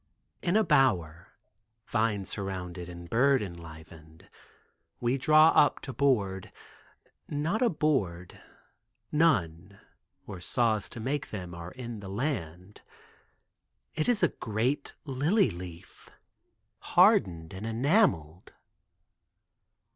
In a bower, vine surrounded and bird enlivened, we draw up to board, not a board, either—none, or saws to make them are in the land, it is a great lily leaf, hardened and enameled.